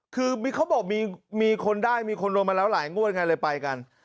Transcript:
คือเขาบอกมีคนได้มีคนรวมมาแล้วหลายงวดไงเลยไปกัน